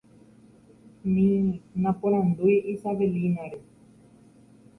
ni naporandúi Isabellina-re